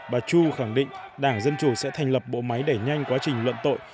bà chu khẳng định đảng dân chủ sẽ thành lập bộ máy đẩy nhanh quá trình luận tội